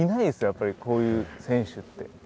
やっぱりこういう選手って。